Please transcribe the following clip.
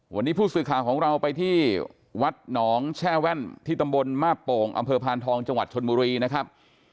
วันนี้ผู้สื่อข่าวของเราไปที่วัดหนองแช่แว่นที่ตำบลมาบโป่งอำเภอพานทองจังหวัดชนบุรีนะครับ